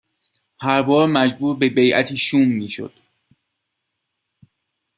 هر بار مجبور به بیعتی شوم میشد